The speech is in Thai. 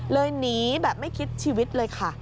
หนีแบบไม่คิดชีวิตเลยค่ะ